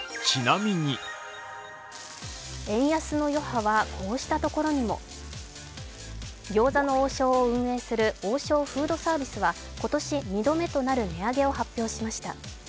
円安の余波はこうしたところにも餃子の王将を運営する王将フードサービスは今年２度目となる値上げを発表しました。